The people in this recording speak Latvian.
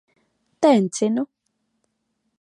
Tencinu.